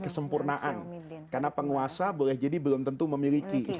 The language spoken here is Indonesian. kesempurnaan karena penguasa boleh jadi belum tentu memiliki